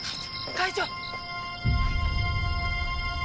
会長。